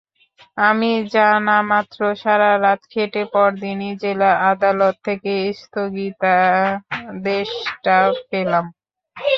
আমি জানামাত্র সারা রাত খেটে পরদিনই জেলা আদালত থেকে স্থগিতাদেশটা পেলাম।